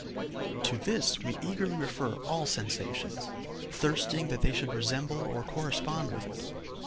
To this we eagerly refer all sensations, thirsting that they should resemble or correspond with it.